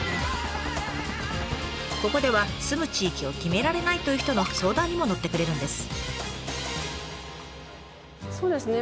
ここでは住む地域を決められないという人の相談にも乗ってくれるんです。